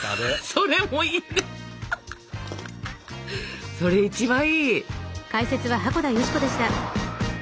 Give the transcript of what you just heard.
それ一番いい！